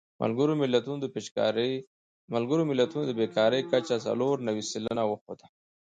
ملګرو ملتونو د بېکارۍ کچه څلور نوي سلنه وښوده.